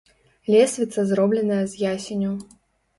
Лесвіца зробленая з ясеню.